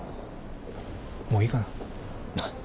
もういいかな？